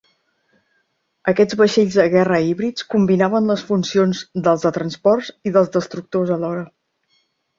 Aquests vaixells de guerra híbrids combinaven les funcions dels de transport i dels destructors alhora.